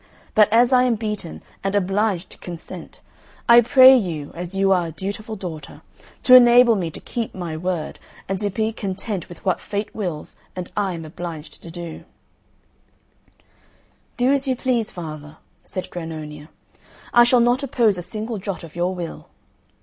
But as I am beaten, and obliged to consent, I pray you, as you are a dutiful daughter, to enable me to keep my word, and to be content with what Fate wills and I am obliged to do." "Do as you please, father," said Grannonia; "I shall not oppose a single jot of your will!"